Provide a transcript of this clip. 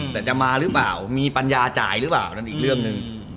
แต่จะมาหรือเปล่ามีปัญญาจ่ายหรือเปล่านั่นอีกเรื่องหนึ่ง